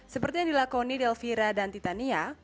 seperti yang dilakoni delvira dan titania